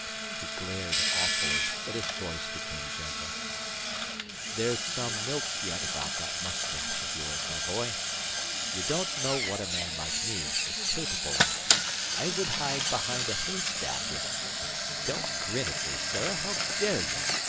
He glared awfully, but his voice became gentle. "There's some milk yet about that moustache of yours, my boy. You don't know what a man like me is capable of. I would hide behind a haystack if... Don't grin at me, sir. How dare you?